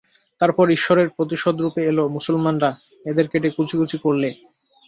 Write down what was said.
তারপরই ঈশ্বরের প্রতিশোধরূপে এল মুসলমানরা, এদের কেটে কুচি-কুচি করলে।